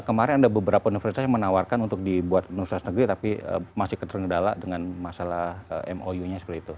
kemarin ada beberapa universitas yang menawarkan untuk dibuat universitas negeri tapi masih ketergendala dengan masalah mou nya seperti itu